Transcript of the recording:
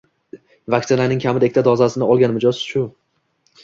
Vaksinaning kamida ikkita dozasini olgan mijoz shu